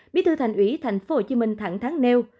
bí thư thành ủy tp hcm thẳng tháng nêu